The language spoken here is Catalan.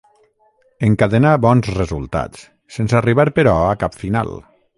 Encadenà bons resultats sense arribar però a cap final.